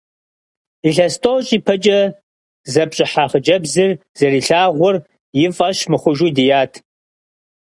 Илъэс тӏощӏ ипэкӏэ зэпщӏыхьа хъыджэбзыр зэрилъагъур и фӏэщ мыхъужу дият.